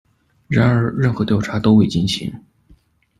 然而，任何调查都未进行。